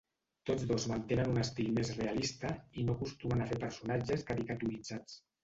Tots dos mantenen un estil més realista i no acostumen a fer personatges caricaturitzats.